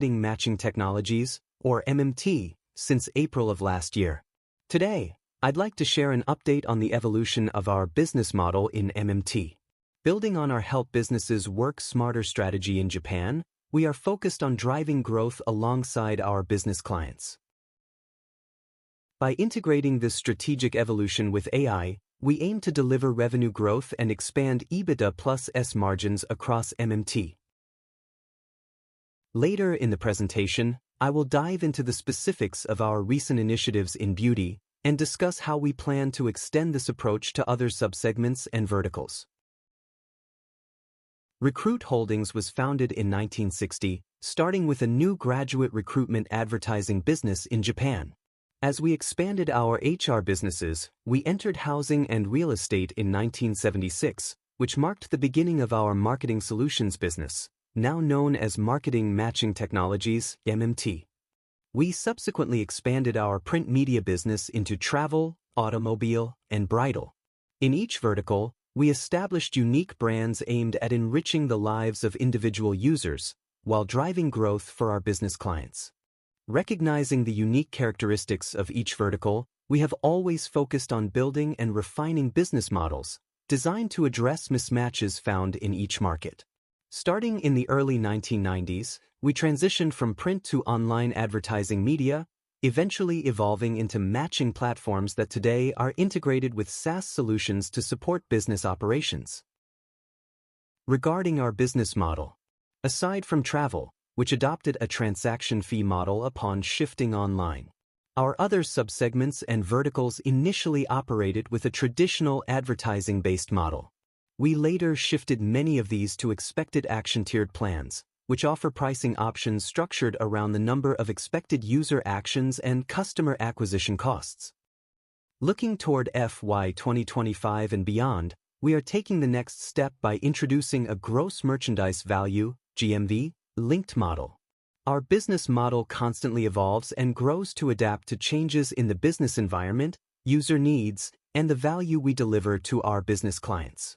Marketing Matching Technologies, or MMT, since April of last year. Today, I'd like to share an update on the evolution of our business model in MMT. Building on our Help Businesses Work Smarter strategy in Japan, we are focused on driving growth alongside our business clients. By integrating this strategic evolution with AI, we aim to deliver revenue growth and expand EBITDA+S margins across MMT. Later in the presentation, I will dive into the specifics of our recent initiatives in beauty and discuss how we plan to extend this approach to other subsegments and verticals. Recruit Holdings was founded in 1960, starting with a new graduate recruitment advertising business in Japan. As we expanded our HR businesses, we entered housing and real estate in 1976, which marked the beginning of our marketing solutions business, now known as Marketing Matching Technologies, MMT. We subsequently expanded our print media business into travel, automobile, and bridal. In each vertical, we established unique brands aimed at enriching the lives of individual users while driving growth for our business clients. Recognizing the unique characteristics of each vertical, we have always focused on building and refining business models designed to address mismatches found in each market. Starting in the early 1990s, we transitioned from print to online advertising media, eventually evolving into matching platforms that today are integrated with SaaS solutions to support business operations. Regarding our business model, aside from travel, which adopted a transaction fee model upon shifting online, our other subsegments and verticals initially operated with a traditional advertising-based model. We later shifted many of these to expected action tiered plans, which offer pricing options structured around the number of expected user actions and customer acquisition costs. Looking toward FY 2025 and beyond, we are taking the next step by introducing a gross merchandise value, GMV, linked model. Our business model constantly evolves and grows to adapt to changes in the business environment, user needs, and the value we deliver to our business clients.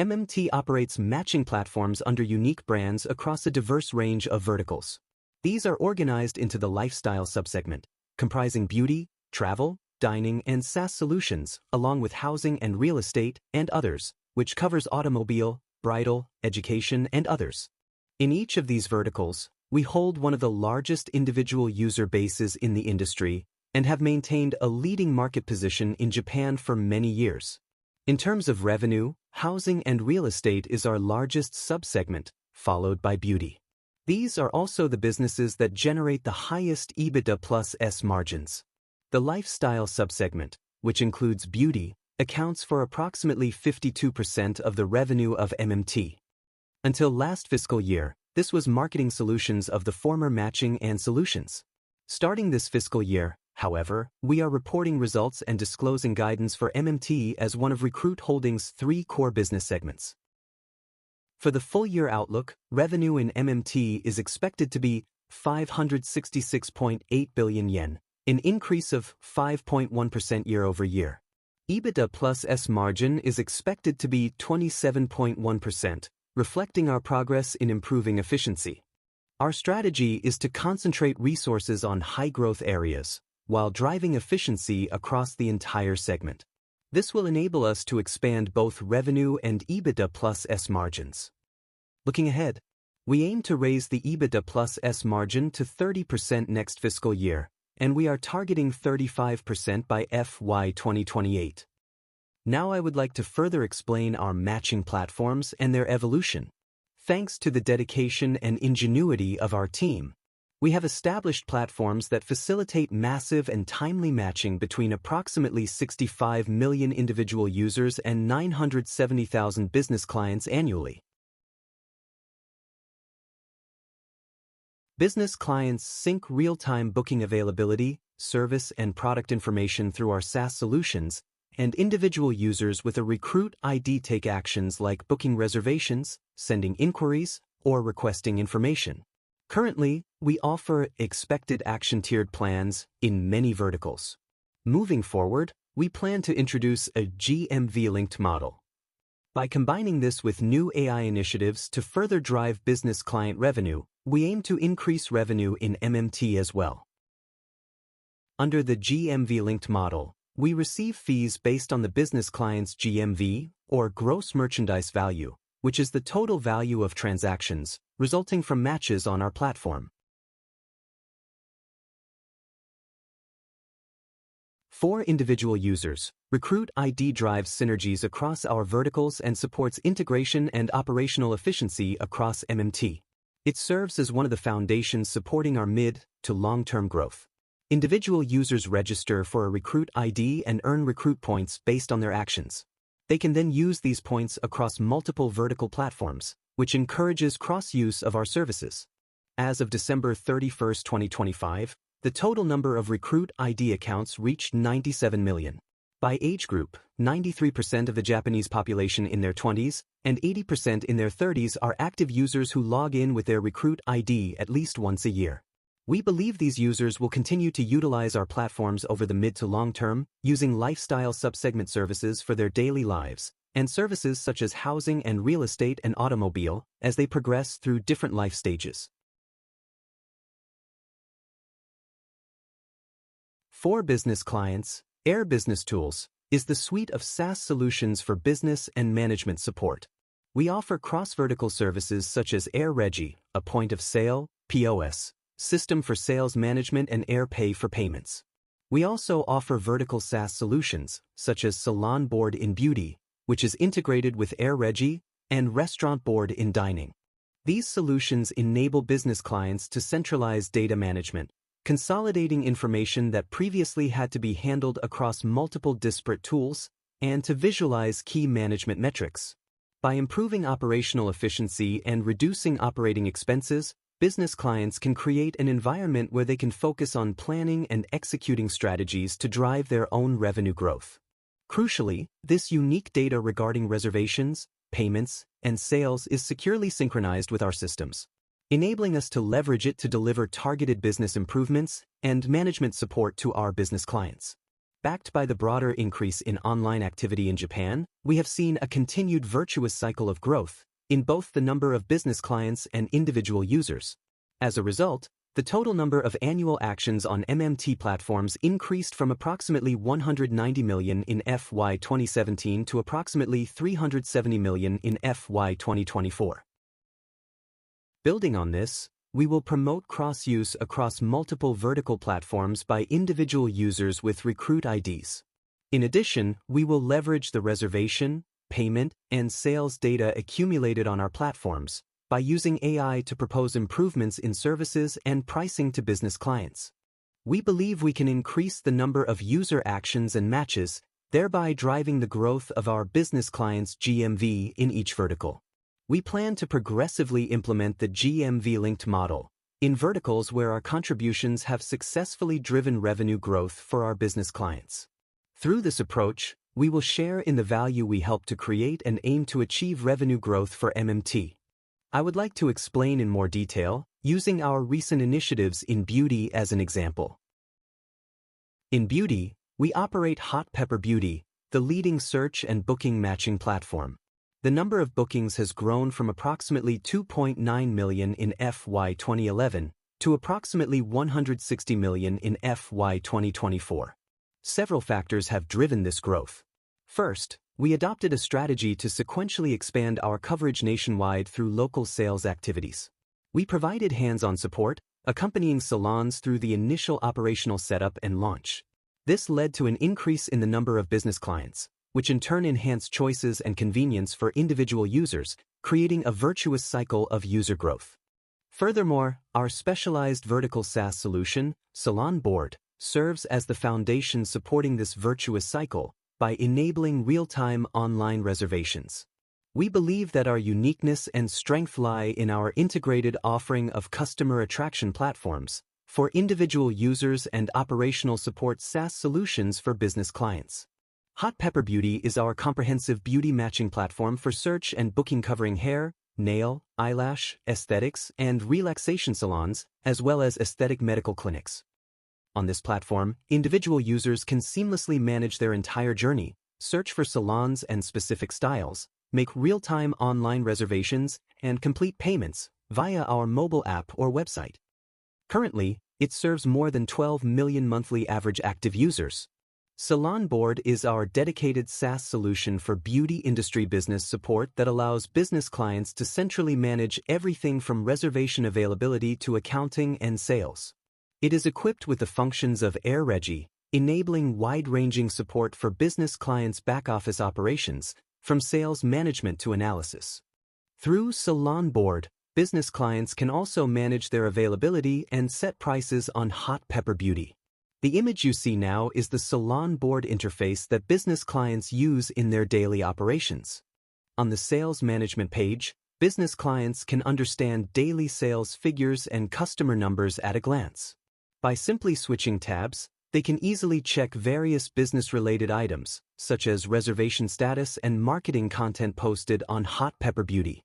MMT operates matching platforms under unique brands across a diverse range of verticals. These are organized into the lifestyle subsegment, comprising beauty, travel, dining, and SaaS solutions, along with housing and real estate, and others, which covers automobile, bridal, education, and others. In each of these verticals, we hold one of the largest individual user bases in the industry and have maintained a leading market position in Japan for many years. In terms of revenue, housing and real estate is our largest subsegment, followed by beauty. These are also the businesses that generate the highest EBITDA+S margins. The lifestyle subsegment, which includes beauty, accounts for approximately 52% of the revenue of MMT. Until last fiscal year, this was marketing solutions of the former Matching & Solutions. Starting this fiscal year, however, we are reporting results and disclosing guidance for MMT as one of Recruit Holdings' three core business segments. For the full year outlook, revenue in MMT is expected to be 566.8 billion yen, an increase of 5.1% year-over-year. EBITDA+S margin is expected to be 27.1%, reflecting our progress in improving efficiency. Our strategy is to concentrate resources on high-growth areas while driving efficiency across the entire segment. This will enable us to expand both revenue and EBITDA+S margins. Looking ahead, we aim to raise the EBITDA+S margin to 30% next fiscal year. We are targeting 35% by FY 2028. Now I would like to further explain our matching platforms and their evolution. Thanks to the dedication and ingenuity of our team, we have established platforms that facilitate massive and timely matching between approximately 65 million individual users and 970,000 business clients annually. Business clients sync real-time booking availability, service, and product information through our SaaS solutions, and individual users with a Recruit ID take actions like booking reservations, sending inquiries, or requesting information. Currently, we offer expected action tiered plans in many verticals. Moving forward, we plan to introduce a GMV-linked model. By combining this with new AI initiatives to further drive business client revenue, we aim to increase revenue in MMT as well. Under the GMV-linked model, we receive fees based on the business client's GMV, or gross merchandise value, which is the total value of transactions resulting from matches on our platform. For individual users, Recruit ID drives synergies across our verticals and supports integration and operational efficiency across MMT. It serves as one of the foundations supporting our mid- to long-term growth. Individual users register for a Recruit ID and earn Recruit points based on their actions. They can then use these points across multiple vertical platforms, which encourages cross-use of our services. As of December 31st, 2025, the total number of Recruit ID accounts reached 97 million. By age group, 93% of the Japanese population in their twenties and 80% in their thirties are active users who log in with their Recruit ID at least once a year. We believe these users will continue to utilize our platforms over the mid to long term using lifestyle sub-segment services for their daily lives and services such as housing and real estate and automobile as they progress through different life stages. For business clients, Air BusinessTools is the suite of SaaS solutions for business and management support. We offer cross-vertical services such as AirREGI, a point-of-sale, POS, system for sales management, and AirPAY for payments. We also offer vertical SaaS solutions such as SALON BOARD in beauty, which is integrated with AirREGI, and RESTAURANT BOARD in dining. These solutions enable business clients to centralize data management, consolidating information that previously had to be handled across multiple disparate tools, and to visualize key management metrics. By improving operational efficiency and reducing operating expenses, business clients can create an environment where they can focus on planning and executing strategies to drive their own revenue growth. Crucially, this unique data regarding reservations, payments, and sales is securely synchronized with our systems, enabling us to leverage it to deliver targeted business improvements and management support to our business clients. Backed by the broader increase in online activity in Japan, we have seen a continued virtuous cycle of growth in both the number of business clients and individual users. As a result, the total number of annual actions on MMT platforms increased from approximately 190 million in FY 2017 to approximately 370 million in FY 2024. Building on this, we will promote cross-use across multiple vertical platforms by individual users with Recruit IDs. In addition, we will leverage the reservation, payment, and sales data accumulated on our platforms by using AI to propose improvements in services and pricing to business clients. We believe we can increase the number of user actions and matches, thereby driving the growth of our business clients' GMV in each vertical. We plan to progressively implement the GMV-linked model in verticals where our contributions have successfully driven revenue growth for our business clients. Through this approach, we will share in the value we help to create and aim to achieve revenue growth for MMT. I would like to explain in more detail using our recent initiatives in beauty as an example. In beauty, we operate Hot Pepper Beauty, the leading search and booking matching platform. The number of bookings has grown from approximately 2.9 million in FY 2011 to approximately 160 million in FY 2024. Several factors have driven this growth. First, we adopted a strategy to sequentially expand our coverage nationwide through local sales activities. We provided hands-on support, accompanying salons through the initial operational setup and launch. This led to an increase in the number of business clients, which in turn enhanced choices and convenience for individual users, creating a virtuous cycle of user growth. Furthermore, our specialized vertical SaaS solution, SALON BOARD, serves as the foundation supporting this virtuous cycle by enabling real-time online reservations. We believe that our uniqueness and strength lie in our integrated offering of customer attraction platforms for individual users and operational support SaaS solutions for business clients. Hot Pepper Beauty is our comprehensive beauty matching platform for search and booking, covering hair, nail, eyelash, aesthetics, and relaxation salons, as well as aesthetic medical clinics. On this platform, individual users can seamlessly manage their entire journey, search for salons and specific styles, make real-time online reservations, and complete payments via our mobile app or website. Currently, it serves more than 12 million monthly average active users. SALON BOARD is our dedicated SaaS solution for beauty industry business support that allows business clients to centrally manage everything from reservation availability to accounting and sales. It is equipped with the functions of AirREGI, enabling wide-ranging support for business clients' back-office operations, from sales management to analysis. Through SALON BOARD, business clients can also manage their availability and set prices on Hot Pepper Beauty. The image you see now is the SALON BOARD interface that business clients use in their daily operations. On the Sales Management page, business clients can understand daily sales figures and customer numbers at a glance. By simply switching tabs, they can easily check various business-related items such as reservation status and marketing content posted on Hot Pepper Beauty.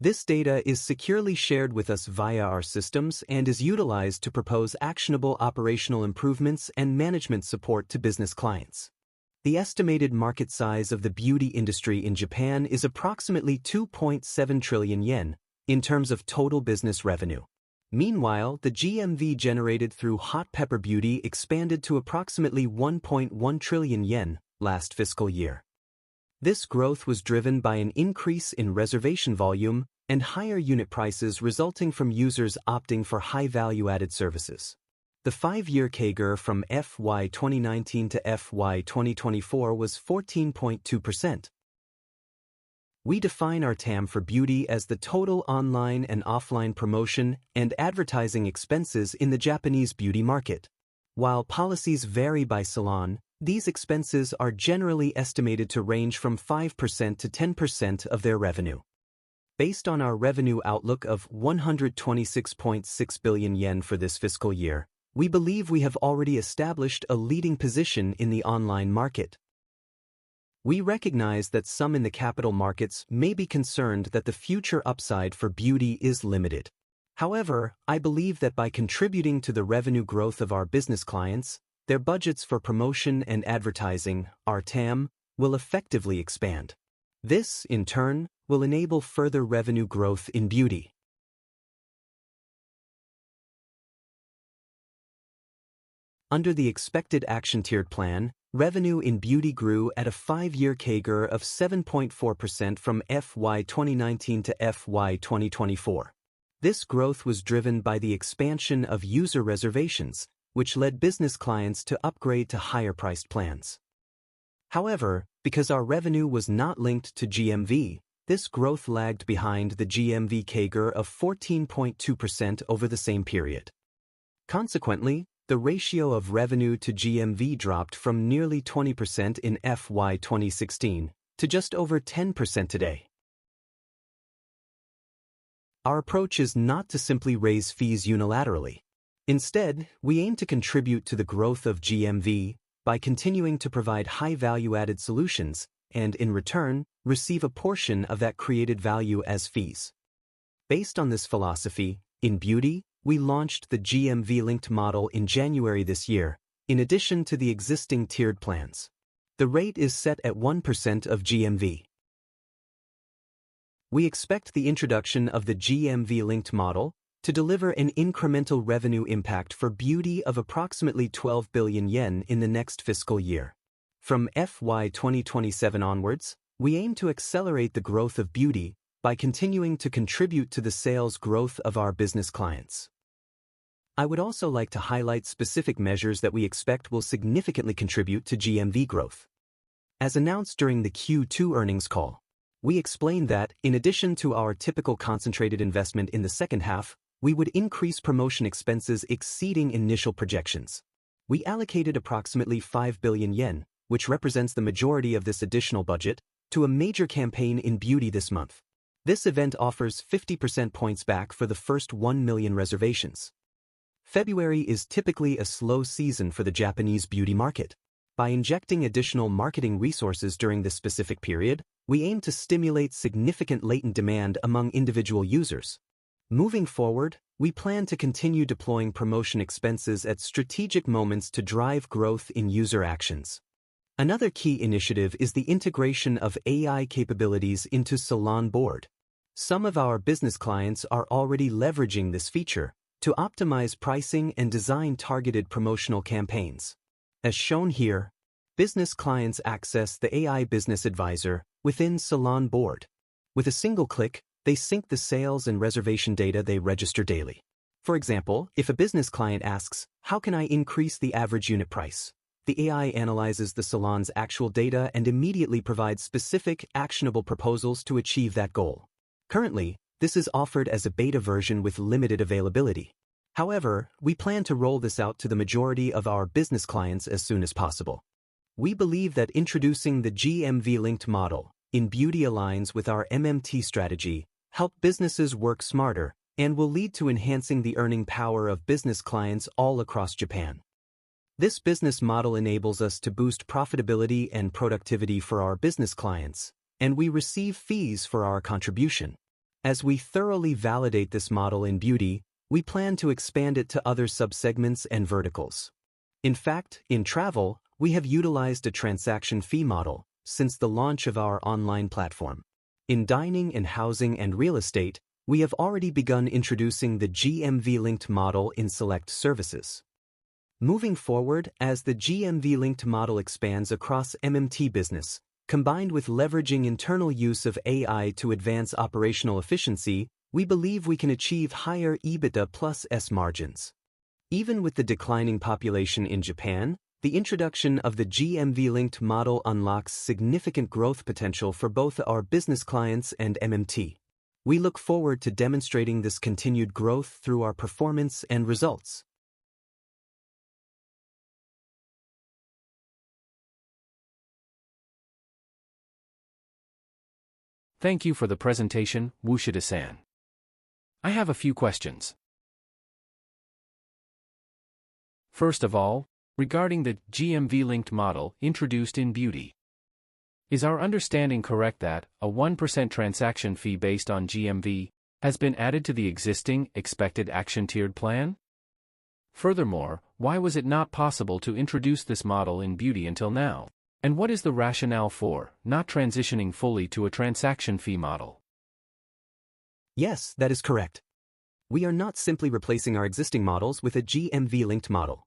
This data is securely shared with us via our systems and is utilized to propose actionable operational improvements and management support to business clients. The estimated market size of the beauty industry in Japan is approximately 2.7 trillion yen in terms of total business revenue. Meanwhile, the GMV generated through Hot Pepper Beauty expanded to approximately 1.1 trillion yen last fiscal year. This growth was driven by an increase in reservation volume and higher unit prices resulting from users opting for high value-added services. The 5-year CAGR from FY 2019 to FY 2024 was 14.2%. We define our TAM for Beauty as the total online and offline promotion and advertising expenses in the Japanese beauty market. While policies vary by salon, these expenses are generally estimated to range from 5%-10% of their revenue. Based on our revenue outlook of 126.6 billion yen for this fiscal year, we believe we have already established a leading position in the online market. We recognize that some in the capital markets may be concerned that the future upside for Beauty is limited. I believe that by contributing to the revenue growth of our business clients, their budgets for promotion and advertising, our TAM, will effectively expand. This, in turn, will enable further revenue growth in Beauty. Under the expected action tiered plan, revenue in Beauty grew at a 5-year CAGR of 7.4% from FY 2019 to FY 2024. This growth was driven by the expansion of user reservations, which led business clients to upgrade to higher-priced plans. However, because our revenue was not linked to GMV, this growth lagged behind the GMV CAGR of 14.2% over the same period. Consequently, the ratio of revenue to GMV dropped from nearly 20% in FY 2016 to just over 10% today. Our approach is not to simply raise fees unilaterally. Instead, we aim to contribute to the growth of GMV by continuing to provide high value-added solutions and, in return, receive a portion of that created value as fees. Based on this philosophy, in Beauty, we launched the GMV-linked model in January this year in addition to the existing tiered plans. The rate is set at 1% of GMV. We expect the introduction of the GMV-linked model to deliver an incremental revenue impact for Beauty of approximately 12 billion yen in the next fiscal year. From FY 2027 onwards, we aim to accelerate the growth of Beauty by continuing to contribute to the sales growth of our business clients. I would also like to highlight specific measures that we expect will significantly contribute to GMV growth. As announced during the Q2 earnings call, we explained that in addition to our typical concentrated investment in the second half, we would increase promotion expenses exceeding initial projections. We allocated approximately 5 billion yen, which represents the majority of this additional budget, to a major campaign in Beauty this month. This event offers 50% points back for the first 1 million reservations. February is typically a slow season for the Japanese beauty market. By injecting additional marketing resources during this specific period, we aim to stimulate significant latent demand among individual users. Moving forward, we plan to continue deploying promotion expenses at strategic moments to drive growth in user actions. Another key initiative is the integration of AI capabilities into SALON BOARD. Some of our business clients are already leveraging this feature to optimize pricing and design targeted promotional campaigns. As shown here, business clients access the AI Business Advisor within SALON BOARD. With a single click, they sync the sales and reservation data they register daily. For example, if a business client asks, "How can I increase the average unit price?" The AI analyzes the salon's actual data and immediately provides specific actionable proposals to achieve that goal. Currently, this is offered as a beta version with limited availability. However, we plan to roll this out to the majority of our business clients as soon as possible. We believe that introducing the GMV-linked model in Beauty aligns with our MMT strategy, help businesses work smarter, and will lead to enhancing the earning power of business clients all across Japan. This business model enables us to boost profitability and productivity for our business clients, and we receive fees for our contribution. As we thoroughly validate this model in Beauty, we plan to expand it to other subsegments and verticals. In fact, in Travel, we have utilized a transaction fee model since the launch of our online platform. In Dining and Housing and Real Estate, we have already begun introducing the GMV-linked model in select services. Moving forward, as the GMV-linked model expands across MMT business, combined with leveraging internal use of AI to advance operational efficiency, we believe we can achieve higher EBITDA+S margins. Even with the declining population in Japan, the introduction of the GMV-linked model unlocks significant growth potential for both our business clients and MMT. We look forward to demonstrating this continued growth through our performance and results. Thank you for the presentation, Ushida-san. I have a few questions. First of all, regarding the GMV-linked model introduced in Beauty, is our understanding correct that a 1% transaction fee based on GMV has been added to the existing expected action tiered plan? Furthermore, why was it not possible to introduce this model in Beauty until now? What is the rationale for not transitioning fully to a transaction fee model? Yes, that is correct. We are not simply replacing our existing models with a GMV-linked model.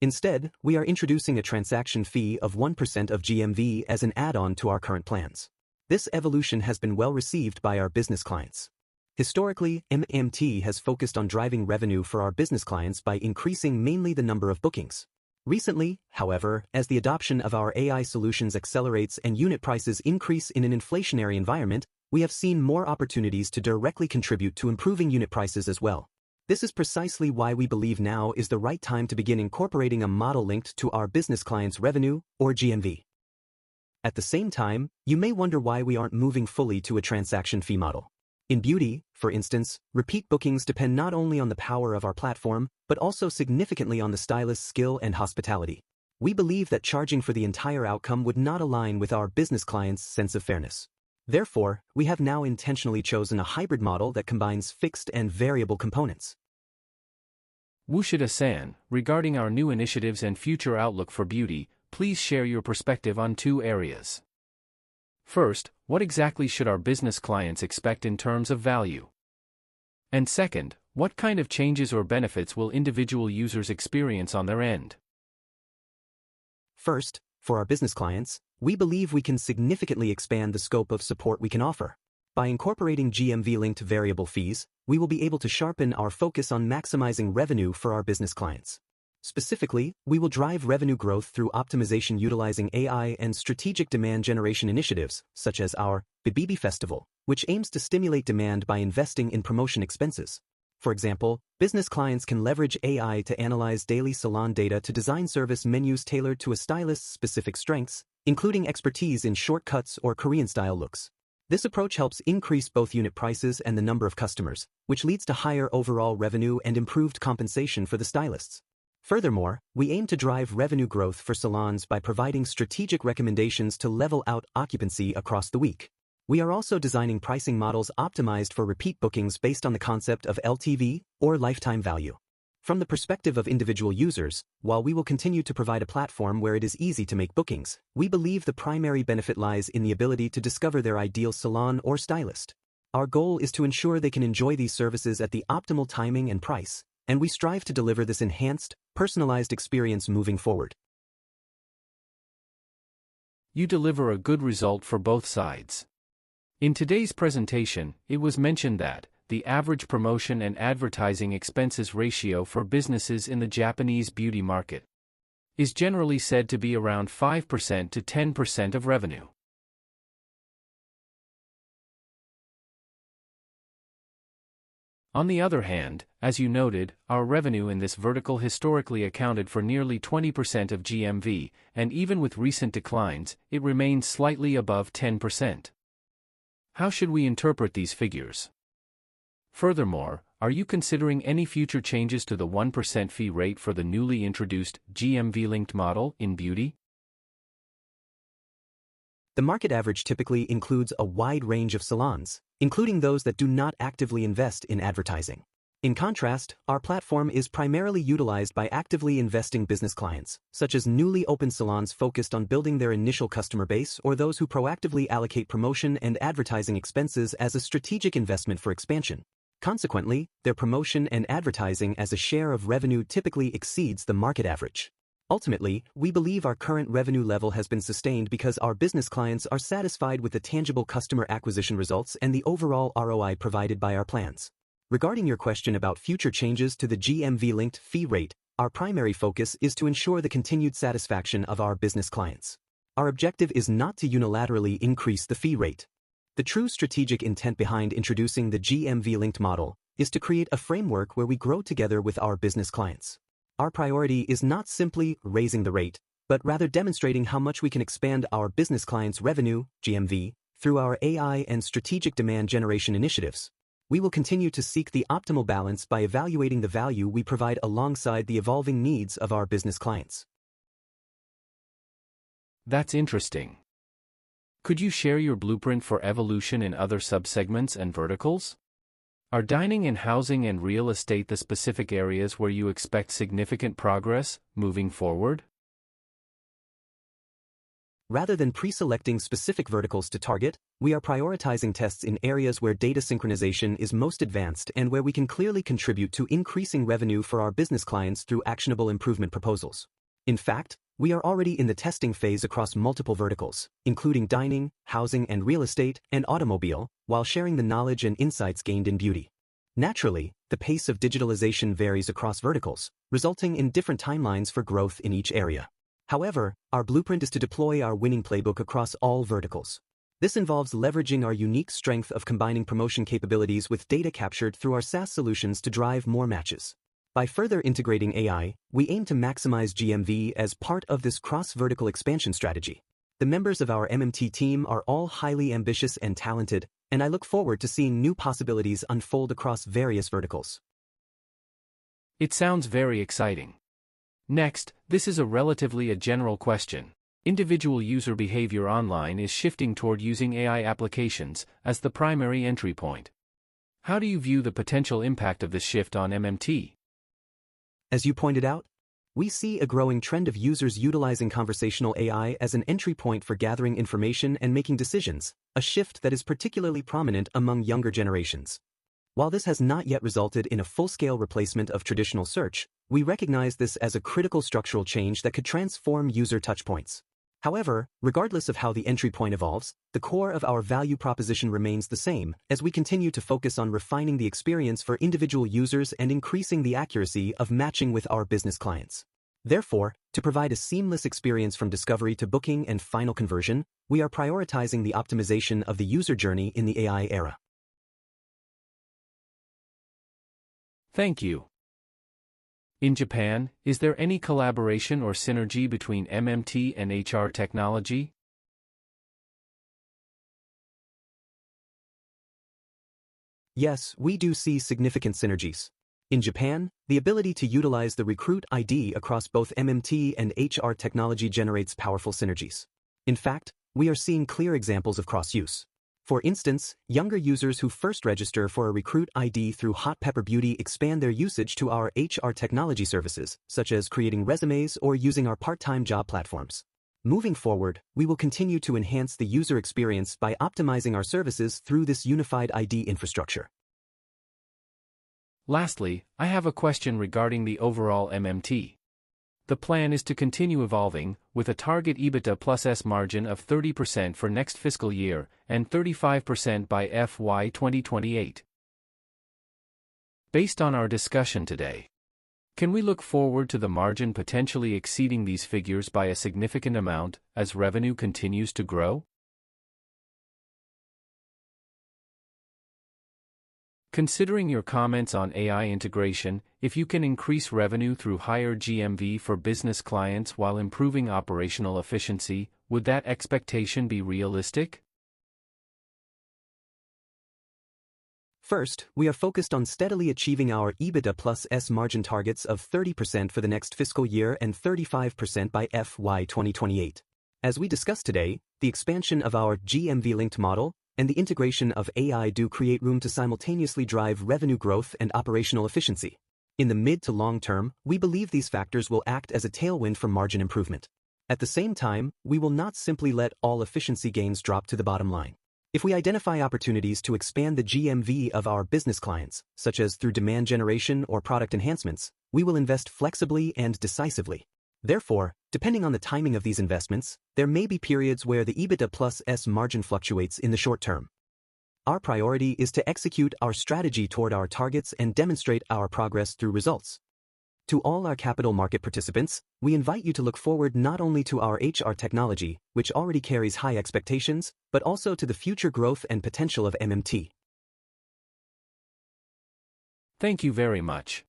Instead, we are introducing a transaction fee of 1% of GMV as an add-on to our current plans. This evolution has been well received by our business clients. Historically, MMT has focused on driving revenue for our business clients by increasing mainly the number of bookings. Recently, however, as the adoption of our AI solutions accelerates and unit prices increase in an inflationary environment, we have seen more opportunities to directly contribute to improving unit prices as well. This is precisely why we believe now is the right time to begin incorporating a model linked to our business clients' revenue or GMV. At the same time, you may wonder why we aren't moving fully to a transaction fee model. In beauty, for instance, repeat bookings depend not only on the power of our platform but also significantly on the stylist's skill and hospitality. We believe that charging for the entire outcome would not align with our business clients' sense of fairness. We have now intentionally chosen a hybrid model that combines fixed and variable components. Ushida-san, regarding our new initiatives and future outlook for beauty, please share your perspective on two areas. First, what exactly should our business clients expect in terms of value? Second, what kind of changes or benefits will individual users experience on their end? First, for our business clients, we believe we can significantly expand the scope of support we can offer. By incorporating GMV-linked variable fees, we will be able to sharpen our focus on maximizing revenue for our business clients. Specifically, we will drive revenue growth through optimization utilizing AI and strategic demand generation initiatives, such as our Bibibi-festival, which aims to stimulate demand by investing in promotion expenses. For example, business clients can leverage AI to analyze daily salon data to design service menus tailored to a stylist's specific strengths, including expertise in short cuts or Korean-style looks. This approach helps increase both unit prices and the number of customers, which leads to higher overall revenue and improved compensation for the stylists. Furthermore, we aim to drive revenue growth for salons by providing strategic recommendations to level out occupancy across the week. We are also designing pricing models optimized for repeat bookings based on the concept of LTV or lifetime value. From the perspective of individual users, while we will continue to provide a platform where it is easy to make bookings, we believe the primary benefit lies in the ability to discover their ideal salon or stylist. Our goal is to ensure they can enjoy these services at the optimal timing and price, and we strive to deliver this enhanced personalized experience moving forward. You deliver a good result for both sides. In today's presentation, it was mentioned that the average promotion and advertising expenses ratio for businesses in the Japanese beauty market is generally said to be around 5%-10% of revenue. On the other hand, as you noted, our revenue in this vertical historically accounted for nearly 20% of GMV, and even with recent declines, it remains slightly above 10%. How should we interpret these figures? Furthermore, are you considering any future changes to the 1% fee rate for the newly introduced GMV-linked model in beauty? The market average typically includes a wide range of salons, including those that do not actively invest in advertising. In contrast, our platform is primarily utilized by actively investing business clients, such as newly opened salons focused on building their initial customer base, or those who proactively allocate promotion and advertising expenses as a strategic investment for expansion. Consequently, their promotion and advertising as a share of revenue typically exceeds the market average. Ultimately, we believe our current revenue level has been sustained because our business clients are satisfied with the tangible customer acquisition results and the overall ROI provided by our plans. Regarding your question about future changes to the GMV-linked fee rate, our primary focus is to ensure the continued satisfaction of our business clients. Our objective is not to unilaterally increase the fee rate. The true strategic intent behind introducing the GMV-linked model is to create a framework where we grow together with our business clients. Our priority is not simply raising the rate, but rather demonstrating how much we can expand our business clients' revenue GMV through our AI and strategic demand generation initiatives. We will continue to seek the optimal balance by evaluating the value we provide alongside the evolving needs of our business clients. That's interesting. Could you share your blueprint for evolution in other subsegments and verticals? Are dining and housing and real estate the specific areas where you expect significant progress moving forward? Rather than pre-selecting specific verticals to target, we are prioritizing tests in areas where data synchronization is most advanced and where we can clearly contribute to increasing revenue for our business clients through actionable improvement proposals. In fact, we are already in the testing phase across multiple verticals, including dining, housing and real estate, and automobile, while sharing the knowledge and insights gained in beauty. Naturally, the pace of digitalization varies across verticals, resulting in different timelines for growth in each area. However, our blueprint is to deploy our winning playbook across all verticals. This involves leveraging our unique strength of combining promotion capabilities with data captured through our SaaS solutions to drive more matches. By further integrating AI, we aim to maximize GMV as part of this cross-vertical expansion strategy. The members of our MMT team are all highly ambitious and talented, and I look forward to seeing new possibilities unfold across various verticals. It sounds very exciting. Next, this is a relatively a general question. Individual user behavior online is shifting toward using AI applications as the primary entry point. How do you view the potential impact of this shift on MMT? As you pointed out, we see a growing trend of users utilizing conversational AI as an entry point for gathering information and making decisions, a shift that is particularly prominent among younger generations. While this has not yet resulted in a full-scale replacement of traditional search, we recognize this as a critical structural change that could transform user touchpoints. However, regardless of how the entry point evolves, the core of our value proposition remains the same as we continue to focus on refining the experience for individual users and increasing the accuracy of matching with our business clients. Therefore, to provide a seamless experience from discovery to booking and final conversion, we are prioritizing the optimization of the user journey in the AI era. Thank you. In Japan, is there any collaboration or synergy between MMT and HR Technology? Yes, we do see significant synergies. In Japan, the ability to utilize the Recruit ID across both MMT and HR Technology generates powerful synergies. In fact, we are seeing clear examples of cross-use. For instance, younger users who first register for a Recruit ID through Hot Pepper Beauty expand their usage to our HR Technology services, such as creating resumes or using our part-time job platforms. Moving forward, we will continue to enhance the user experience by optimizing our services through this unified ID infrastructure. I have a question regarding the overall MMT. The plan is to continue evolving with a target EBITDA+S margin of 30% for next fiscal year and 35% by FY 2028. Based on our discussion today, can we look forward to the margin potentially exceeding these figures by a significant amount as revenue continues to grow? Considering your comments on AI integration, if you can increase revenue through higher GMV for business clients while improving operational efficiency, would that expectation be realistic? First, we are focused on steadily achieving our EBITDA+S margin targets of 30% for the next fiscal year and 35% by FY 2028. As we discussed today, the expansion of our GMV-linked model and the integration of AI do create room to simultaneously drive revenue growth and operational efficiency. In the mid to long term, we believe these factors will act as a tailwind for margin improvement. At the same time, we will not simply let all efficiency gains drop to the bottom line. If we identify opportunities to expand the GMV of our business clients, such as through demand generation or product enhancements, we will invest flexibly and decisively. Therefore, depending on the timing of these investments, there may be periods where the EBITDA+S margin fluctuates in the short term. Our priority is to execute our strategy toward our targets and demonstrate our progress through results. To all our capital market participants, we invite you to look forward not only to our HR Technology, which already carries high expectations, but also to the future growth and potential of MMT. Thank you very much.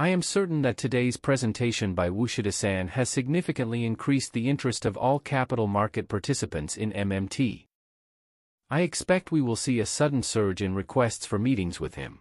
I am certain that today's presentation by Ushida-san has significantly increased the interest of all capital market participants in MMT. I expect we will see a sudden surge in requests for meetings with him.